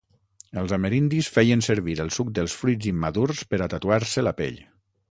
Els amerindis feien servir el suc dels fruits immadurs per a tatuar-se la pell.